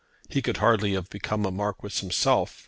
He could hardly have become a Marquis himself.